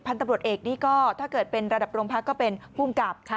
ตำรวจเอกนี่ก็ถ้าเกิดเป็นระดับโรงพักก็เป็นภูมิกับ